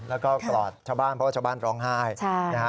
แล้วก็กอดชาวบ้านเพราะว่าชาวบ้านร้องไห้นะฮะ